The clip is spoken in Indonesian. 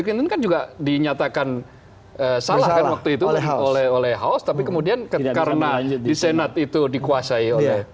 clinton juga dinyatakan salah waktu itu oleh oleh house tapi kemudian karena disenat itu dikuasai